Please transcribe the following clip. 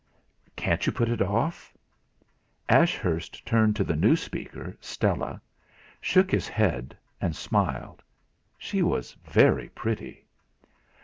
"Can't you put it off?" Ashurst turned to the new speaker, Stella, shook his head, and smiled. She was very pretty!